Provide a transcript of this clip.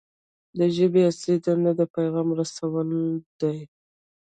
د ژبې اصلي دنده د پیغام رسول دي.